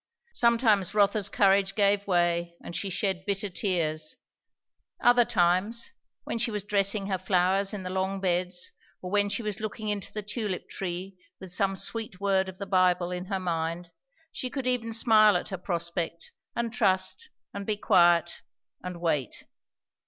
Sometimes Rotha's courage gave way and she shed bitter tears; other times, when she was dressing her flowers in the long beds, or when she was looking into the tulip tree with some sweet word of the Bible in her mind, she could even smile at her prospect, and trust, and be quiet, and wait.